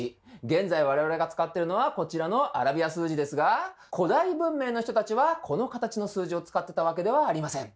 現在我々が使ってるのはこちらのアラビア数字ですが古代文明の人たちはこの形の数字を使ってたわけではありません。